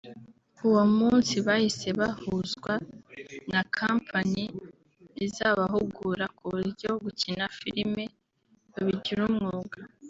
uwo munsi bahise bahuzwa na kampani izabahugura kuburyo gukina Filime babigira umwuga